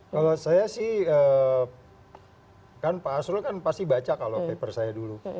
kalau saya sih kan pak arsul kan pasti baca kalau paper saya dulu